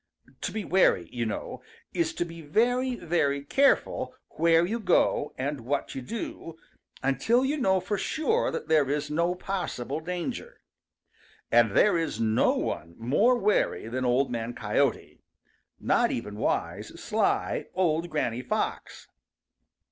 To be wary, you know, is to be very, very careful where you go and what you do until you know for sure that there is no possible danger. And there is no one more wary than Old Man Coyote, not even wise, sly, old Granny Fox.